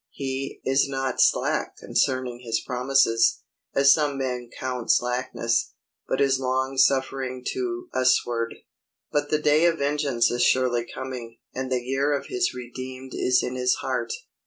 He "is not slack concerning his promises, as some men count slackness, but is long suffering to usward;" but the day of vengeance is surely coming, and the year of his redeemed is in his heart.